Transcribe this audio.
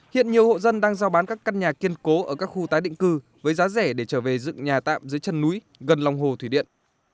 hiện nhiều hộ dân đang giao bán các căn nhà kiên cố ở các khu tái định cư với giá rẻ để trở về dựng nhà tạm dưới chân núi gần lòng hồ thủy điện